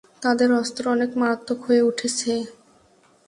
তাদের অস্ত্র অনেক মারাত্মক হয়ে উঠেছে।